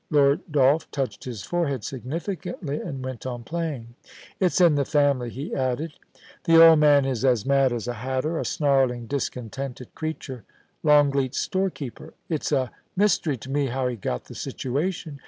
Lord Dolph touched his forehead significantly, and went on playing. * It's in the family,' he added. * The old man is as mad as a hatter, a snarling, discontented creature. Longleat's storekeeper ; it's a mystery to me how he got the situation.